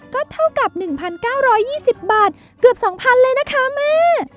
ก็เท่ากับหนึ่งพันเก้าร้อยยี่สิบบาทเกือบสองพันเลยนะคะแม่